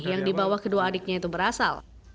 yang dibawa kedua adiknya itu berasal